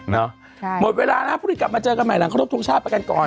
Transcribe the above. หมดเวลานะพรุ่งนี้กลับมาเจอกันใหม่หลังครบทรงชาติไปกันก่อน